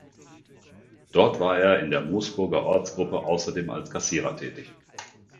Dort war er in der Moosburger Ortsgruppe außerdem als Kassierer tätig.